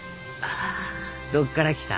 どっから来た？